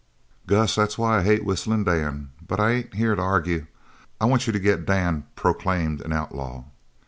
"Gus, that's why I hate Whistlin' Dan, but I ain't here to argue. I want you to get Dan proclaimed an outlaw."